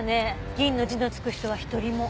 銀の字の付く人は一人も。